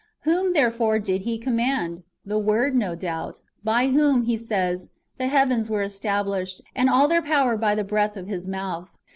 Whom, therefore, did He command? The Word, no doubt, " by whom," he says, " the heavens were established, and all their power by the breath of His mouth."